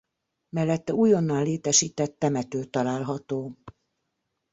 Mellette újonnan létesített temető található.